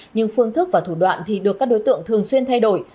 nhưng phương thức và thủ đoạn thì được các đối tượng thường xuyên thay đổi